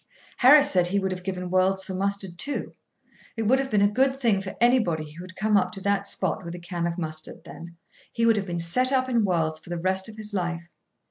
Harris said he would have given worlds for mustard too. It would have been a good thing for anybody who had come up to that spot with a can of mustard, then: he would have been set up in worlds for the rest of his life.